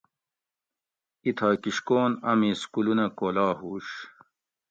اِتھائی کِشکون امی سکولونہ کھولا ہُوش